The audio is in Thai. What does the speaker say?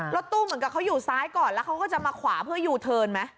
รถตู้เหมือนกับเขาอยู่ซ้ายก่อนแล้วเขาก็จะมาขวาเพื่อยูเทิร์นไหม